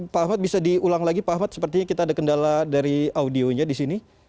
pak ahmad bisa diulang lagi pak ahmad sepertinya kita ada kendala dari audionya di sini